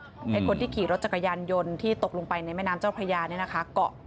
ให้คนที่ขี่รถจักรยานยนต์ที่ตกลงไปในแม่น้ำเจ้าพระยาเนี่ยนะคะเกาะ